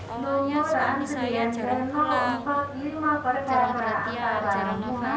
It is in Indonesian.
omongnya sepanjang saya jarang pulang jarang berhati hati jarang nafas